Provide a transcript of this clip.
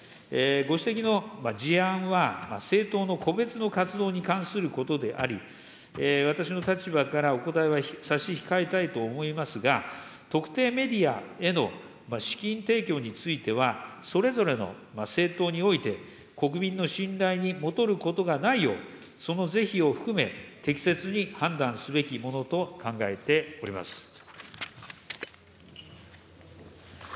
ご指摘の事案は政党の個別の活動に関することであり、私の立場からお答えを差し控えたいと思いますが、特定メディアへの資金提供については、それぞれの政党において、国民の信頼にもとることがないよう、その是非を含め、適切に判断すべきものと考えております。